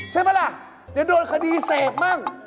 ใช่ไหมล่ะโดนคดีเสพบ้าง